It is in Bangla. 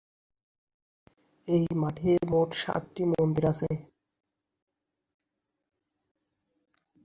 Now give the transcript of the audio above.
এই মঠে মোট সাতটি মন্দির আছে।